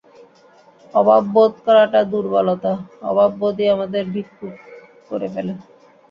অভাববোধ করাটা দুর্বলতা, অভাববোধই আমাদের ভিক্ষুক করে ফেলে।